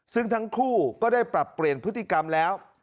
ซึ่งทั้งคู่ก็ได้ปรับเปลี่ยนพฤติกรรมแล้ว